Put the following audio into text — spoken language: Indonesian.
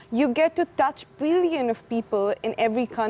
anda dapat menyentuh jutaan orang di setiap negara